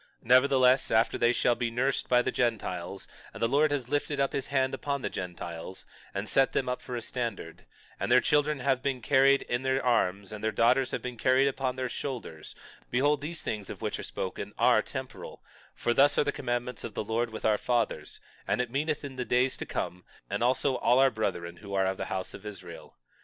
22:6 Nevertheless, after they shall be nursed by the Gentiles, and the Lord has lifted up his hand upon the Gentiles and set them up for a standard, and their children have been carried in their arms, and their daughters have been carried upon their shoulders, behold these things of which are spoken are temporal; for thus are the covenants of the Lord with our fathers; and it meaneth us in the days to come, and also all our brethren who are of the house of Israel.